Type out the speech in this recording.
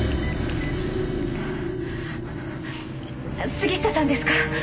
杉下さんですか？